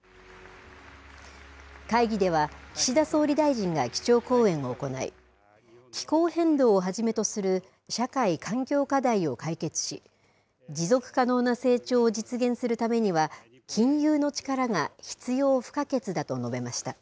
会議では、岸田総理大臣が基調講演を行い、気候変動をはじめとする社会・環境課題を解決し、持続可能な成長を実現するためには、金融の力が必要不可欠だと述べました。